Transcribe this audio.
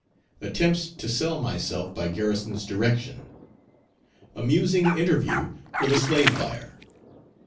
Attempts to sell myself by Garrison's direction. Amusing interview with a slave buyer.